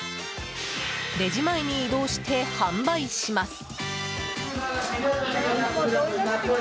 レジ前に移動して販売します。